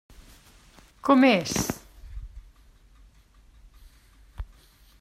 Com és?